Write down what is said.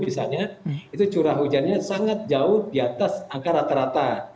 misalnya itu curah hujannya sangat jauh di atas angka rata rata